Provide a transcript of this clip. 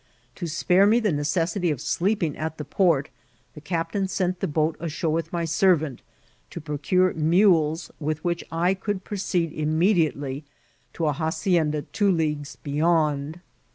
To qpare me the ne eessity <^ sleeping at the port, the captain sent the boat aduMre with my servant, to procure nrales with which I eould proceed immediately to a hacienda two leagues beyond.